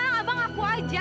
abang aku aja